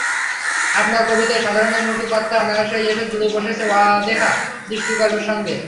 আপনার কবিতায় সাধারণের মুখের কথা অনায়াসে এসে জুড়ে বসছে অদেখা দৃশ্যকল্পের সঙ্গে।